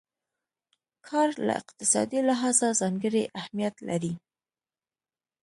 کار له اقتصادي لحاظه ځانګړی اهميت لري.